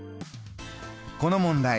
この問題